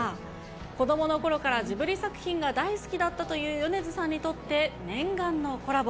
子どものころからジブリ作品が大好きだったという米津さんにとって念願のコラボ。